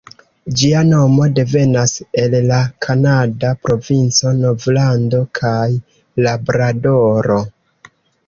Ĝia nomo devenas el la kanada provinco Novlando kaj Labradoro.